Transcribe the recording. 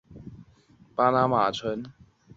目前总部所在地为巴拿马城。